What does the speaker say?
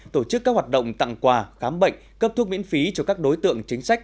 tổ chức các hoạt động tặng quà khám bệnh cấp thuốc miễn phí cho các đối tượng chính sách